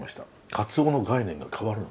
かつおの概念が変わるの。